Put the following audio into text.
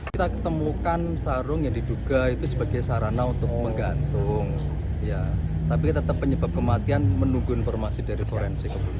kita ketemukan sarung yang diduga itu sebagai sarana untuk menggantung tapi tetap penyebab kematian menunggu informasi dari forensik